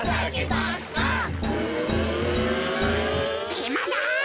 いまだ！